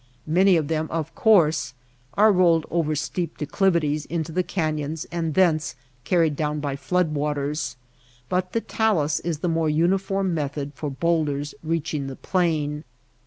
Many of them, of course, are rolled over steep declivities into the canyons and thence carried down by flood waters ; but the talus is the more uniform method for bowl ders reaching the plain.